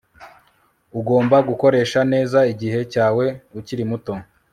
ugomba gukoresha neza igihe cyawe ukiri muto